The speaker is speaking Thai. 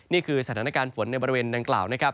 นี่คือสถานการณ์ฝนในบริเวณดังกล่าวนะครับ